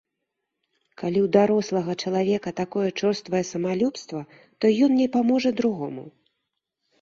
Калі ў дарослага чалавека такое чорствае самалюбства, то ён не паможа другому.